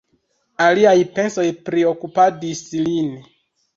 Aliaj pensoj priokupadis lin.